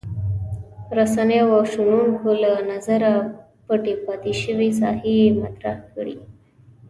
رسنیو او شنونکو له نظره پټې پاتې شوې ساحې یې مطرح کړې.